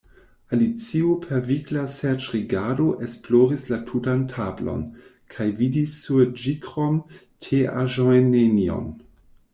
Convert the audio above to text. Alicio per vigla serĉrigardo esploris la tutan tablon, kaj vidis sur ĝikrom teaĵojnenion.